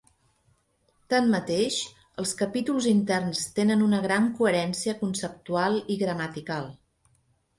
Tanmateix, els capítols interns tenen una gran coherència conceptual i gramatical.